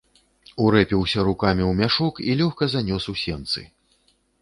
Урэпіўся рукамі ў мяшок і лёгка занёс у сенцы.